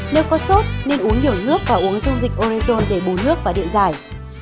nếu có sốt nên uống nhiều nước và uống dung dịch orezon để bồn nước và điện giải